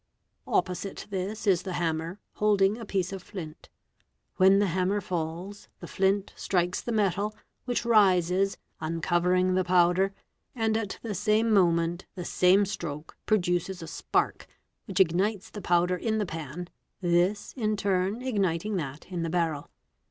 Opposite this is the hammer, holding a piece of flint. When the hammer falls, the flint strikes the metal, which rises, uncovering the powder; and at the same moment the same ~ stroke produces a spark which ignites the powder in the pan, this in turn — igniting that in the barrel.